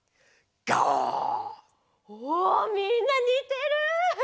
おみんなにてる！